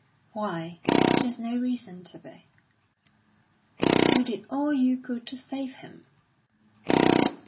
"Why? She has no reason to be." "You did all you could to save him."